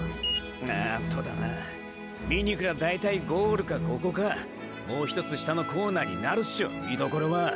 あーとだな見に来りゃだいたいゴールかココかもうひとつ下のコーナーになるっショ見どころは！！